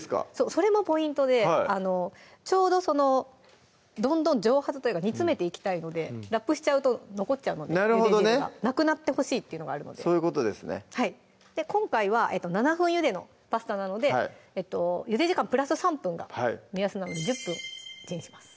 それもポイントでちょうどそのどんどん蒸発というか煮詰めていきたいのでラップしちゃうと残っちゃうのでゆで汁がなくなってほしいっていうのがあるので今回は７分ゆでのパスタなのでゆで時間＋３分が目安なので１０分チンします